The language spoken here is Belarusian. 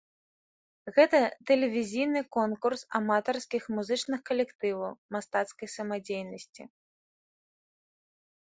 Гэта тэлевізійны конкурс аматарскіх музычных калектываў мастацкай самадзейнасці.